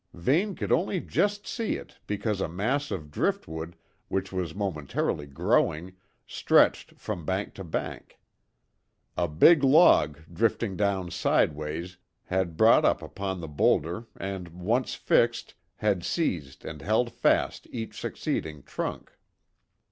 Vane could only just see it, because a mass of driftwood, which was momentarily growing, stretched from bank to bank. A big log, drifting down sideways, had brought up upon the boulder and once fixed had seized and held fast each succeeding trunk.